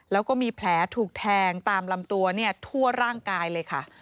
แล้วก็มีแผลถูกแทงตามลำตัวทั่วร่างกายเลยค่ะ